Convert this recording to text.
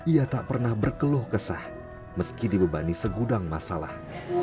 ia tak pernah berkeluh kesah meski dibebani segudang masalah